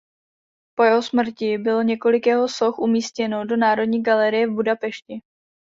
Po jeho smrti bylo několik jeho soch umístěno do Národní galerie v Budapešti.